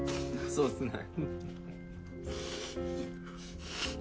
そうっすね。